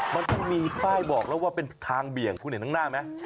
มันต้องมีป้ายบอกแล้วว่าเป็นทางเบี่ยงคุณเห็นข้างหน้าไหม